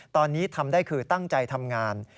ตอนนี้ทำได้คือตั้งใจทำงาน